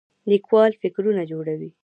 لیکوال فکرونه جوړوي